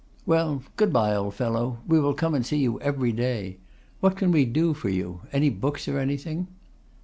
'Well, good bye, old fellow; we will come and see you every day. What can we do for you? Any books, or anything?